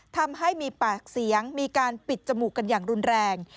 ทำให้มีปากเสียงมีการปิดจมูกกันอย่างรุนแรง